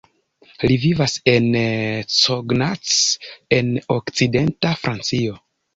Li vivas en Cognac en okcidenta Francio.